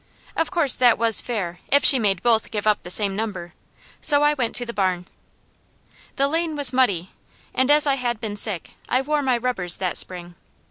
Of course that was fair, if she made both give up the same number. So I went to the barn. The lane was muddy, and as I had been sick, I wore my rubbers that spring.